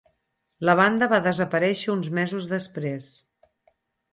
La banda va desaparèixer uns mesos després.